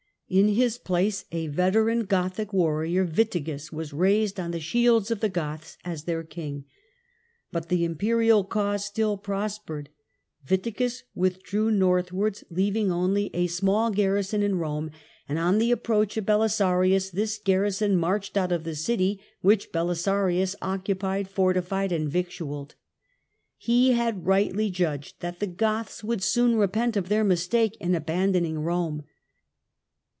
In his place a veteran Gothic warrior, Witigis, was raised on the shields of the Goths as their king. But the Imperial cause still prospered. Witigis withdrew northwards, leaving only a small THE GOTHIC KINGDOM IN ITALY 35 garrison in Rome, and on the approach of Belisarius this garrison marched out of the city, which Belisarius occupied, fortified and victualled. He had rightly judged that the Goths would soon repent of their mistake in abandoning Rome.